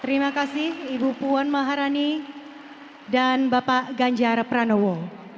terima kasih ibu puan maharani dan bapak ganjar pranowo